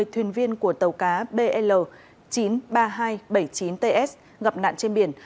một mươi thuyền viên của tàu cá bl chín trăm ba mươi hai bảy mươi chín ts gặp nạn trên biển